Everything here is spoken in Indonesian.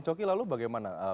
jadi saya ingin menyebutkan